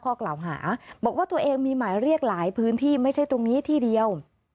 ข้อกล่าวหาบอกว่าตัวเองมีหมายเรียกหลายพื้นที่ไม่ใช่ตรงนี้ที่เดียว